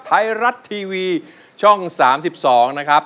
ไทยรัฐทีวีช่อง๓๒นะครับ